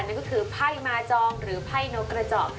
นั่นก็คือไพ่มาจองหรือไพ่นกกระเจาะ